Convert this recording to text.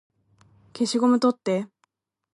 消しゴム取って